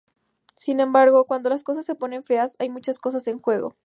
Sin embargo, cuando las cosas se ponen feas, hay muchas cosas en juego".